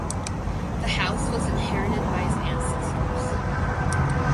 The house was inherited by his ancestors.